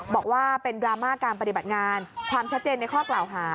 บอกว่าเป็นดราม่าการปฏิบัติงานความชัดเจนในข้อกล่าวหา